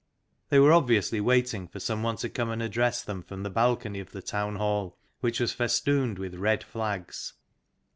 They were obviously waiting for some one to come and address them from the balcony of the Town Hall, which was festooned with red flags.